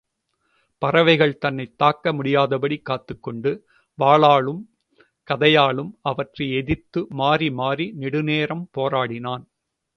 பறவைகள் தன்னைத் தாக்க முடியாதபடி காத்துக்கொண்டு, வாளாலும், கதையாலும் அவற்றை எதிர்த்து மாறி மாறி நெடுநேரம் போராடினான்.